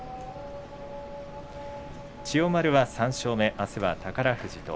千代丸は３勝目あすは宝富士と。